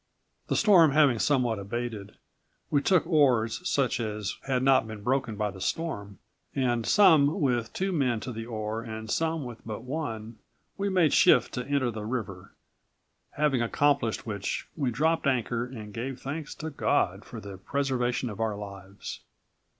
"The storm having somewhat abated, we took oars, such as had not been broken by the storm, and some with two men to the oar and some with but one, we made shift to enter this river; having accomplished which, we dropped anchor and gave thanks to God for the preservation of our lives.